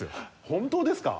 本当ですか？